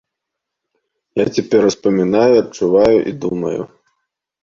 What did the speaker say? Я цяпер успамінаю, адчуваю і думаю.